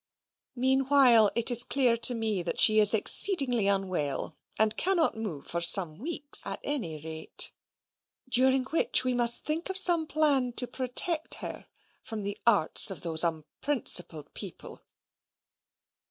Meanwhile, it is clear to me that she is exceedingly unwell, and cannot move for some weeks, at any rate; during which we must think of some plan to protect her from the arts of those unprincipled people."